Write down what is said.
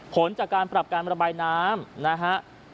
ผลจากการปรับการระบายน้ำนะฮะ